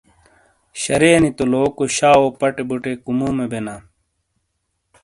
شرے نی تو لوکو شاؤپٹے بُٹے کُمومے بینا۔